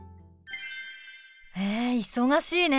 へえ忙しいね。